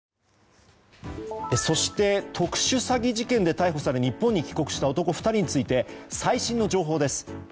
そして特殊詐欺事件で逮捕され日本に帰国した男２人について最新の情報です。